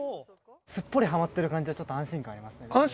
すっぽりはまってる感じはちょっと安心感ありますね。